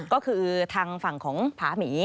ก็คือทางฝั่งของผาหมี